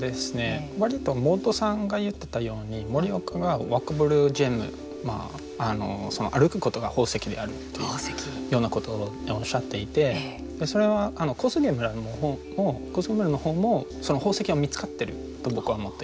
割とモドさんが言ってたように盛岡がウォーカブルジェム歩くことが宝石であるというようなことをおっしゃっていてそれは小菅村の方もその宝石は見つかってると僕は思ってます。